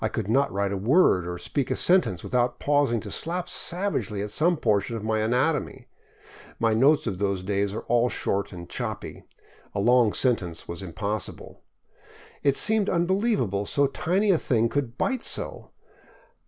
I could not write a word or speak a sentence without pausing to slap savagely at some portion of my anatomy. My notes of those days are all short and choppy. A long sentence was impossible. It seemed unbelievable so tiny a thing could bite so.